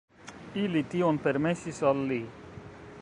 Ili tion permesis al li.